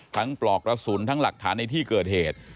ปลอกกระสุนทั้งหลักฐานในที่เกิดเหตุ